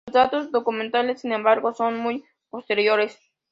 Los datos documentales, sin embargo, son muy posteriores.